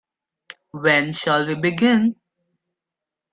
When shall we begin?